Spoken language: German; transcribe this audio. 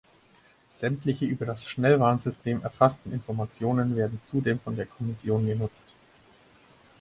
Sämtliche über das Schnellwarnsystem erfassten Informationen werden zudem von der Kommission genutzt.